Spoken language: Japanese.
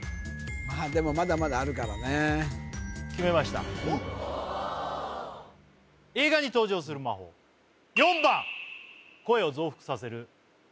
まあでもまだまだあるからね決めました映画に登場する魔法４番声を増幅させる